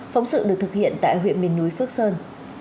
phóng sự được thực hiện tại huyện miền núi phước sơn